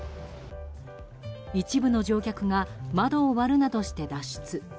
一部の乗客が窓を割るなどして脱出。